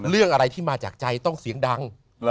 เรื่องอะไรที่มาจากใจต้องเสียงดัง